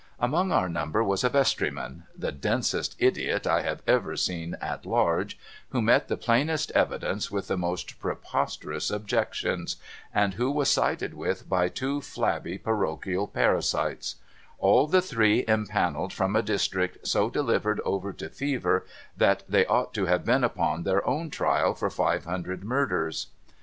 Among our number was a vestryman,— the densest idiot I have ever seen at large, — who met the plainest evidence with the most preposterous objections, and who was sided with by two flabby parochial parasites ; all the three impanelled from a district so delivered over to Fever that they ought to have been upon their own trial for five hundred Murders.